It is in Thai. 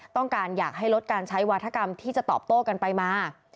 ต้องการอยากให้ลดการใช้วาธกรรมที่จะตอบโต้กันไปมา